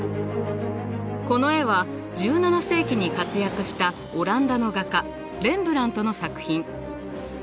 この絵は１７世紀に活躍したオランダの画家レンブラントの作品。